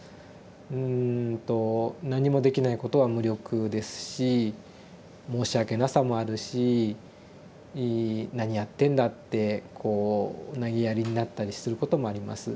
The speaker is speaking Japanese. うんと何もできないことは無力ですし申し訳なさもあるし「何やってんだ」ってこうなげやりになったりすることもあります。